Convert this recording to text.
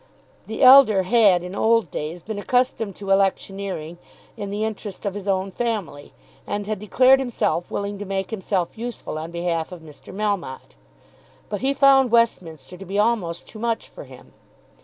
The elder had in old days been accustomed to electioneering in the interest of his own family, and had declared himself willing to make himself useful on behalf of Mr. Melmotte. But he found Westminster to be almost too much for him.